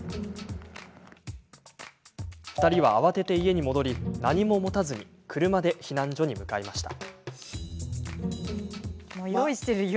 ２人は慌てて家に戻り何も持たずに車で避難所に向かいました。